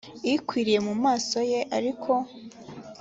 ikwiriye mu maso ye n ariko